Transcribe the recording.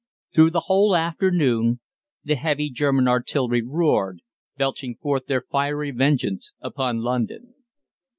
Through the whole afternoon the heavy German artillery roared, belching forth their fiery vengeance upon London.